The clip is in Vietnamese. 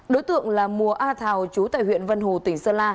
đối tượng là mùa a thảo trú tại huyện vân hồ tỉnh sơn la